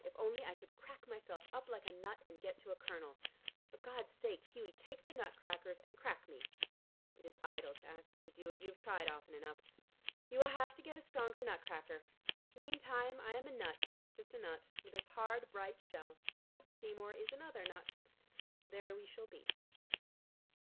If only I could crack myself up like a nut and get to a kernel. For God's sake, Hughie, take the nut crackers, and crack me. It is idle to ask you to do it. You have tried often enough. You will have to get a stronger nut cracker. Meantime I am a nut, just a nut, with its hard bright shell. Seymour is another nut. There we shall be."